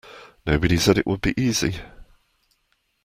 Nobody said it would be easy.